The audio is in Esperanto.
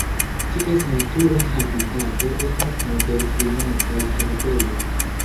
Ties natura habitato estas moderklimataj herbejoj.